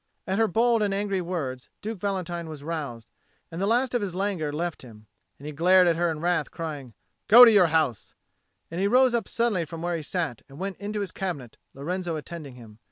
At her bold and angry words Duke Valentine was roused, and the last of his languor left him; and he glared at her in wrath, crying "Go to your house;" and he rose up suddenly from where he sat and went into his cabinet, Lorenzo attending him.